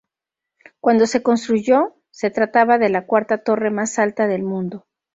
Cuando se construyó, se trataba de la cuarta torre más alta del mundo.